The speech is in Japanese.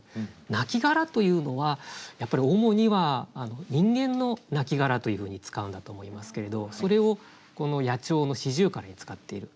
亡骸というのはやっぱり主には人間の亡骸というふうに使うんだと思いますけれどそれをこの野鳥の四十雀に使っている。